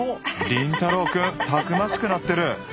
凛太郎くんたくましくなってる！